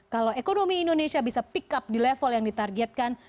kalau ekonomi indonesia bisa pick up di level yang ditargetkan